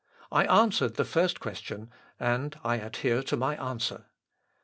I answered the first question, and I adhere to my answer.